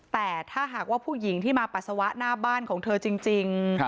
แต่ถ้าหากว่าผู้หญิงที่มาปัสสาวะหน้าบ้านของเธอจริง